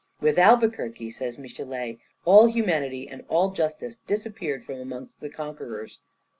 "With Albuquerque," says Michelet, "all humanity and all justice disappeared from amongst the conquerors.